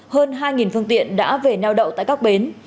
hơn hai phương tiện đã về neo đậu tại các bến